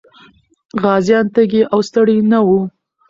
غازيان تږي او ستړي نه وو.